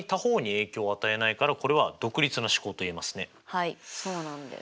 はいそうなんです。